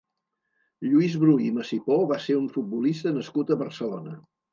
Lluís Bru i Masipó va ser un futbolista nascut a Barcelona.